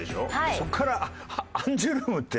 そこからアンジュルムってちょっとね。